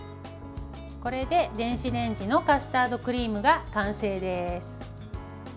これで電子レンジのカスタードクリームが完成です。